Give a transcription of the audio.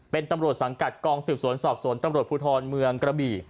เป็นตำรวจสังกัดกองสืบสวนสอบสวนตำรวจภูทรเมืองกระบี่